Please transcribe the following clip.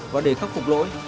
và để khắc phục lỗi